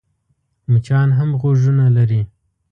مچان هم غوږونه لري .